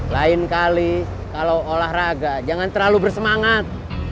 lain kali kalau olahraga jangan terlalu bersemangat